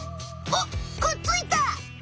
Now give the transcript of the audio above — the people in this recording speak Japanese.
あっくっついた！